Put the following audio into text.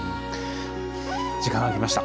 時間がきました。